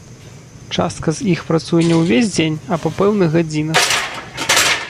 Частка з іх працуе не ўвесь дзень, а па пэўных гадзінах.